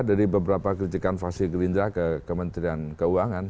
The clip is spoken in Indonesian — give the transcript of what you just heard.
dari beberapa kritikan fasih gelindra ke kementerian keuangan